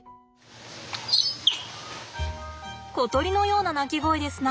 小鳥のような鳴き声ですな。